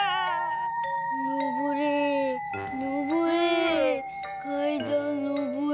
のぼれのぼれかいだんのぼれ。